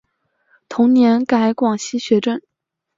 同年改广西学政。